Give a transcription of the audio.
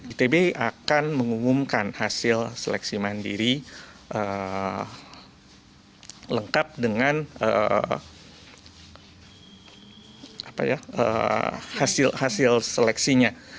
itb akan mengumumkan hasil seleksi mandiri lengkap dengan hasil seleksinya